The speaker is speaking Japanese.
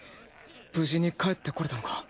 無事に帰ってこれたのか